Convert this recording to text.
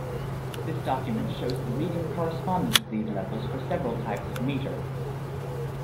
This document shows the reading corresponding to these levels for several types of meter.